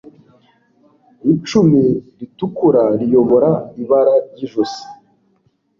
icumi ritukura riyobora ibara ryijosi